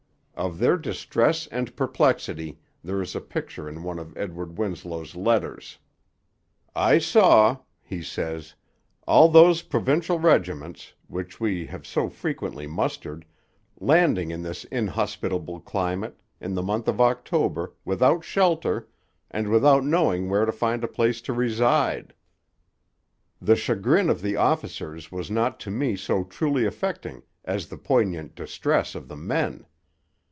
Of their distress and perplexity there is a picture in one of Edward Winslow's letters. I saw [he says] all those Provincial Regiments, which we have so frequently mustered, landing in this inhospitable climate, in the month of October, without shelter, and without knowing where to find a place to reside. The chagrin of the officers was not to me so truly affecting as the poignant distress of the men.